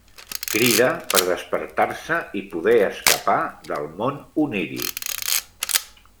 Crida per despertar-se i poder escapar del món oníric.